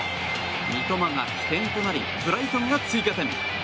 三笘が起点となりブライトンが追加点。